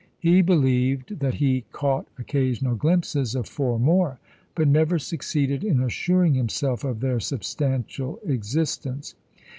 He believed that he caught occasional glimpses of four more, but never succeeded in assuring himself of their substantial existence.